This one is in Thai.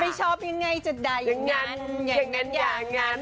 ไม่ชอบยังไงจะได้อย่างนั้นอย่างนั้นอย่างนั้น